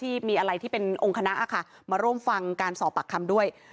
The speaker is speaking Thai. ที่มีอะไรที่เป็นองค์คณะค่ะมาร่วมฟังการสอบปากคำด้วย